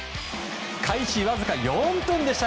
開始わずか４分でした。